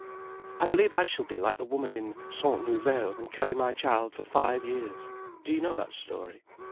"I believe I shall be like the woman in the Cent Nouvelles and carry my child for five years. Do you know that story?